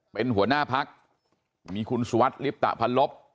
เป็นหัวหน้าพักมีคุณสุวัสดิลิปตะพันลบ